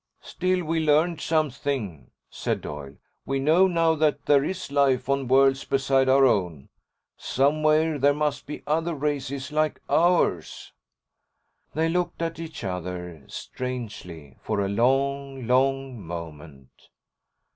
"Still, we learned something," said Doyle. "We know now that there is life on worlds beside our own. Somewhere there must be other races like ours." They looked at each other, strangely, for a long, long moment.